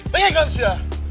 dengerin kan sya